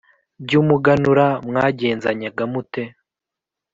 by’umuganura, mwagenzanyaga mute?”